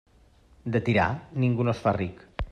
De tirar, ningú no es fa ric.